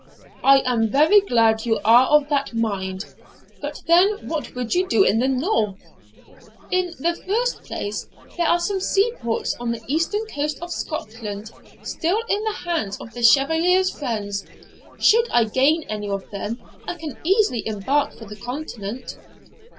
'I am very glad you are of that mind; but then what would you do in the north?' 'In the first place, there are some seaports on the eastern coast of Scotland still in the hands of the Chevalier's friends; should I gain any of them, I can easily embark for the Continent.'